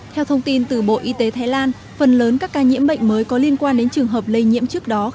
theo thông tin từ bộ y tế thái lan phần lớn các ca nhiễm bệnh mới có liên quan đến trường hợp lây nhiễm trước đó